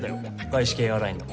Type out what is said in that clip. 外資系エアラインの。